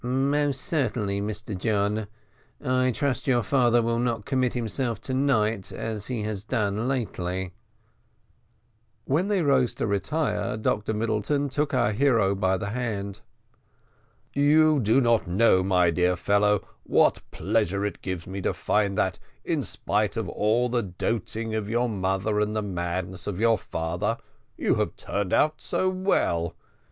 "Most certainly, Mr John. I trust your father will not commit himself to night as he has done lately." When they rose to retire Dr Middleton took our hero by the hand. "You do not know, my dear fellow, what pleasure it gives me to find that, in spite of the doting of your mother and the madness of your father, you have turned out so well.